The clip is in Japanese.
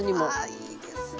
あいいですね。